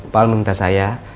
pak meminta saya